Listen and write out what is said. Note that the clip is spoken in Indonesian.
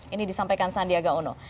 ini disampaikan sandiaga uno